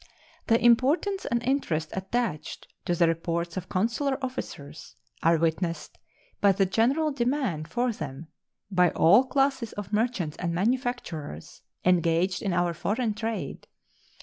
The importance and interest attached to the reports of consular officers are witnessed by the general demand for them by all classes of merchants and manufacturers engaged in our foreign trade.